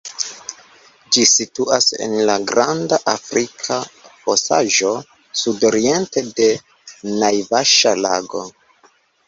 Ĝi situas en la Granda Afrika Fosaĵo, sudoriente de Naivaŝa-lago.